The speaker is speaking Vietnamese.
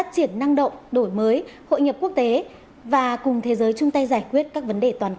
xin chào và hẹn gặp lại